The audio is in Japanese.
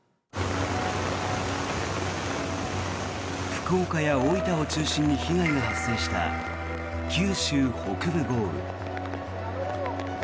福岡や大分を中心に被害が発生した九州北部豪雨。